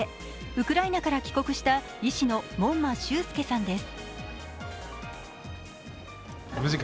ウクライナから帰国した医師の門馬秀介さんです。